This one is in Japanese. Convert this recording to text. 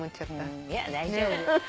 いや大丈夫。